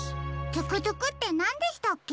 トゥクトゥクってなんでしたっけ？